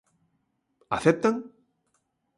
¿Aceptan?